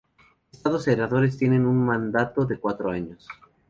Estado senadores tienen un mandato de cuatro años.